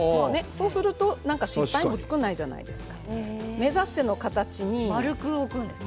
そうすると失敗が少ないじゃないですか。